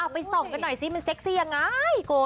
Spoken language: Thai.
ไปส่องกันหน่อยสิมันเซ็กซี่ยังไง